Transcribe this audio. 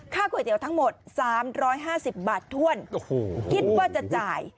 ค่าก๋วยเตี๋ยวทั้งหมดสามร้อยห้าสิบบาทถ้วนโอ้โหคิดว่าจะจ่าย